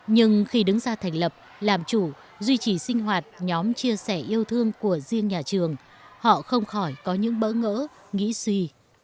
nhưng khi đứng ra thành lập làm chủ duy trì sinh hoạt nhóm chia sẻ yêu thương của riêng nhà trường họ không khỏi có những bỡ ngỡ nghĩ suy